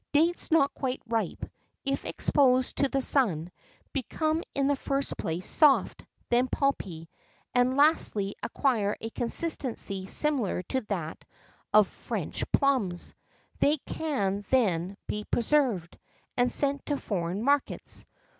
Dates not quite ripe, if exposed to the sun, become in the first place soft, then pulpy, and lastly acquire a consistency similar to that of French plums; they can then be preserved, and sent to foreign markets.